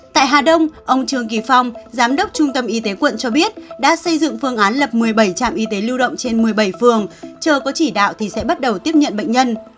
tại hà đông ông trương kỳ phong giám đốc trung tâm y tế quận cho biết đã xây dựng phương án lập một mươi bảy trạm y tế lưu động trên một mươi bảy phường chờ có chỉ đạo thì sẽ bắt đầu tiếp nhận bệnh nhân